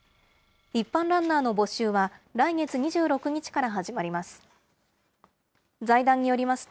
一般ランナーの募集は、来月２６日から始まります。